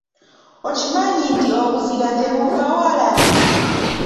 Okimanyi nti obuzira tebuvva wala?